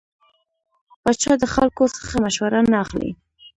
پاچا د خلکو څخه مشوره نه اخلي .